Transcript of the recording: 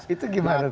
itu gimana tuh